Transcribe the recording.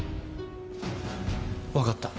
分かった。